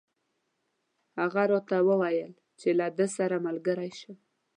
هغه راته وویل چې له ده سره ملګری شم.